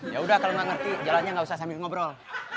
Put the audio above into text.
yaudah kalau gak ngerti jalannya gak usah sambil ngobrol